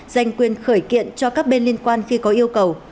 dành quyền khởi kiện cho các bên liên quan khi có yêu cầu